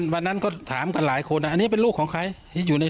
วันนั้นก็ถามกันหลายคนอันนี้เป็นลูกของใครที่อยู่ใน